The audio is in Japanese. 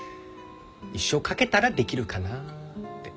一生かけたらできるかなって。